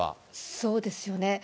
そうですよね。